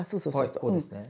はいこうですね。